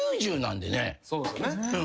そうですよね。